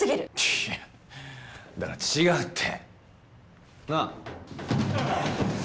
いやだから違うって。なあ？